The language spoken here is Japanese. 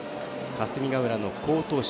霞ヶ浦の好投手